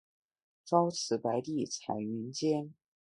朝辞白帝彩云间